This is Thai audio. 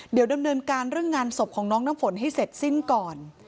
เดี๋ยวดำเนินการเรื่องงานศพของน้องน้ำฝนให้เสร็จสิ้นก่อน